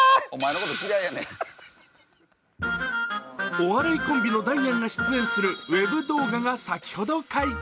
お笑いコンビのダイアンが出演するウェブ動画が先ほど解禁。